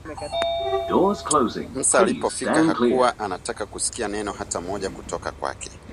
Musa alikofika hakuwa anataka kusikia neno hata moja kutoka kwake